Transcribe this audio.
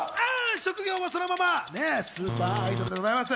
職業はそのままスーパーアイドルでございます。